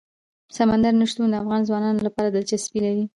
سمندر نه شتون د افغان ځوانانو لپاره دلچسپي لري.